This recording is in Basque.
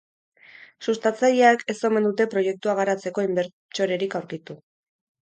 Sustatzaileak ez omen dute proiektua garatzeko inbertsorerik aurkitu.